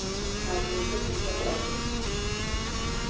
Nta kintu cyo kurya hano .